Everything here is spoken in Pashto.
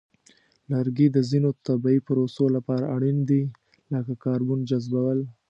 لرګي د ځینو طبیعی پروسو لپاره اړین دي، لکه کاربن جذبول.